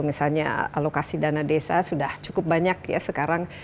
misalnya alokasi dana desa sudah cukup banyak ya sekarang